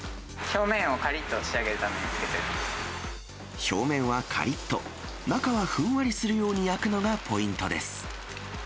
表面をかりっと仕上げるため表面はかりっと、中はふんわりするように焼くのがポイントです。